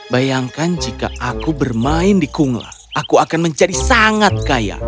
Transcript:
bayangkan jika aku bermain di kungla aku akan menjadi sangat kaya